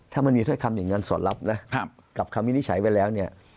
ถ้ามันมีถ้อยคำอย่างนั้นสอดรับนะกับคำวินิจฉัยไว้แล้วเนี่ย